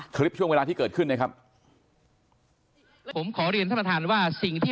คลิปช่วงเวลาที่เกิดขึ้น